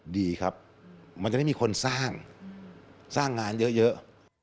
ดีครับมันจะไม่มีคนสร้างสร้างงานเยอะ